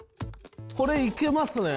これいけますね。